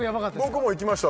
僕も行きました